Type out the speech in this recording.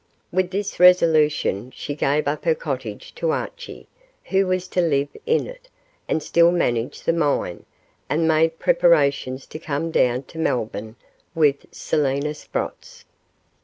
With this resolution, she gave up her cottage to Archie, who was to live in it, and still manage the mine, and made preparations to come down to Melbourne with Selina Sprotts.